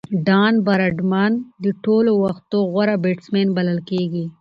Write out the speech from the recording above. ډان براډمن د ټولو وختو غوره بيټسمېن بلل کیږي.